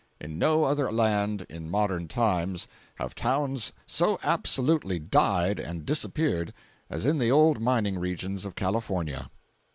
In no other land, in modern times, have towns so absolutely died and disappeared, as in the old mining regions of California.